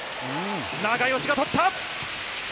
永吉が取った！